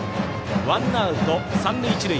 ワンアウト三塁一塁。